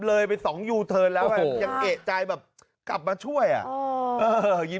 เลยไปสองยูเทิร์นแล้วอ่ะยังเอกใจแบบกลับมาช่วยอ่ะ